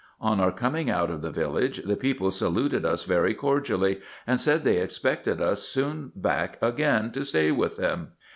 On our coming out of the village, the people saluted us very cordially, and said they expected us soon back again to stay with them.